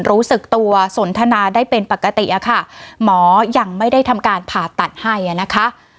รู้สึกตัวสนทนาได้เป็นปกติอะค่ะหมอยังไม่ได้ทำการผ่าตัดให้อ่ะนะคะ